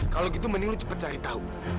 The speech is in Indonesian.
kalau gitu mending lu cepet cari tahu